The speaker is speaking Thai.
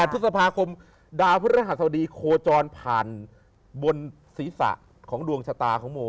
พฤษภาคมดาวพฤหัสดีโคจรผ่านบนศีรษะของดวงชะตาของโม